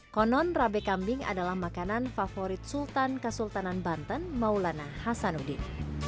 konon rabe kambing adalah makanan favorit sultan kesultanan banten maulana hasanuddin